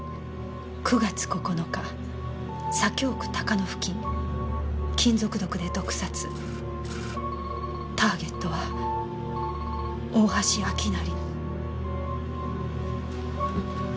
「９月９日左京区高野付近」「金属毒で毒殺」「ターゲットは大橋明成」